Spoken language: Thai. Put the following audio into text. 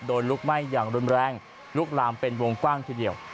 ลุกไหม้อย่างรุนแรงลุกลามเป็นวงกว้างทีเดียว